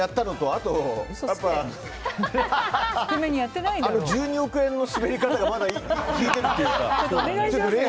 あと、１２億円のスベり方がまだ引いてるっていうか。